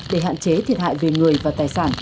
để hạn chế thiệt hại về người và tài sản